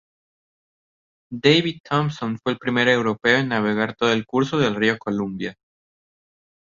David Thompson fue el primer europeo en navegar todo el curso del río Columbia.